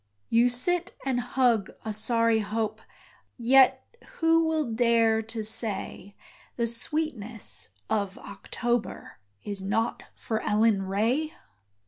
You sit and hug a sorry hope Yet who will dare to say, The sweetness of October Is not for Ellen Ray?